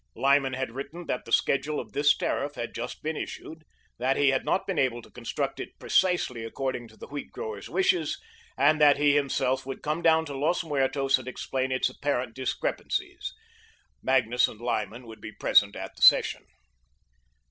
Lyman had written that the schedule of this tariff had just been issued, that he had not been able to construct it precisely according to the wheat growers' wishes, and that he, himself, would come down to Los Muertos and explain its apparent discrepancies. Magnus said Lyman would be present at the session.